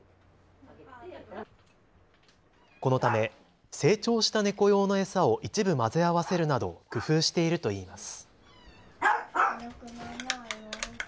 このため成長した猫用の餌を一部混ぜ合わせるなど工夫しているといいます。